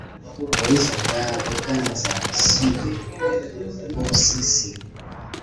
Uburiza na BuganzaSud Rwubusisi